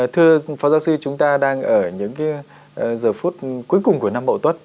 thưa phó giáo sư chúng ta đang ở những cái giờ phút cuối cùng của năm mậu tuất